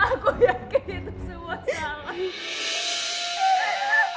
aku yakin itu semua jalan